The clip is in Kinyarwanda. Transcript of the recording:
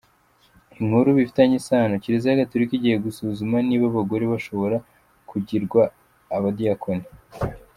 Inkuru bifitanye isano : Kiliziya Gatorika igiye gusuzuma niba abagore bashobora kugirwa abadiyakoni.